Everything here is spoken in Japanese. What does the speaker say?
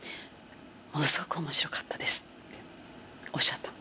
ものすごく面白かったです」とおっしゃった。